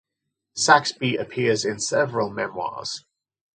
Saxby appears in several memoirs.